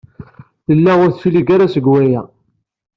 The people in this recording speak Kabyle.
Tella ur d-teclig ara seg waya.